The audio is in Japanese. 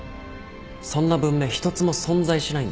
そんな文明一つも存在しないんだよ。